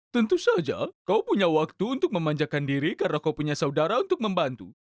tentu saja kau punya waktu untuk memanjakan diri karena kau punya saudara untuk membantu